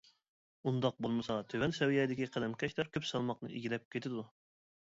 ئۇنداق بولمىسا تۆۋەن سەۋىيەدىكى قەلەمكەشلەر كۆپ سالماقنى ئىگىلەپ كېتىدۇ.